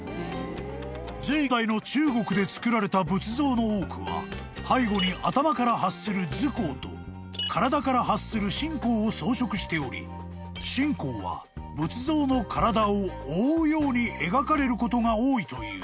［の多くは背後に頭から発する頭光と体から発する身光を装飾しており身光は仏像の体を覆うように描かれることが多いという］